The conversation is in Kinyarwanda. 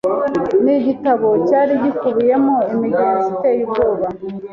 Ni igitabo cyari gikubiyemo imigenzo iteye ubwoba